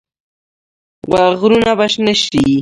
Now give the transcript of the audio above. غرونه به شنه شي.